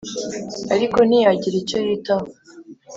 ariko ntiyagira icyo yitaho.